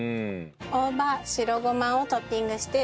大葉白ごまをトッピングして。